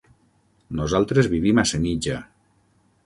Nosaltres vivim a Senija.